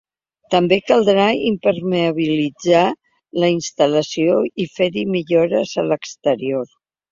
També caldrà impermeabilitzar la instal·lació i fer-hi millores a l’exterior.